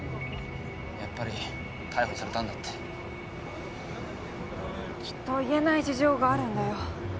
やっぱり逮捕されたんだってきっと言えない事情があるんだよ